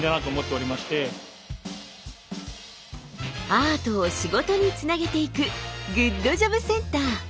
アートを仕事につなげていくグッドジョブセンター。